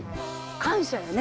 感謝やね。